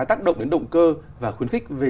tác động đến động cơ và khuyến khích về